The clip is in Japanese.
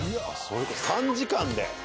３時間で！